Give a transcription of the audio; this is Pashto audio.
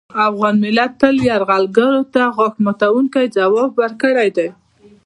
افغان ملت تل یرغلګرو ته غاښ ماتوونکی ځواب ورکړی دی